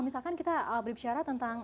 misalkan kita berbicara tentang